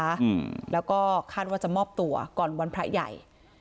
อืมแล้วก็คาดว่าจะมอบตัวก่อนวันพระใหญ่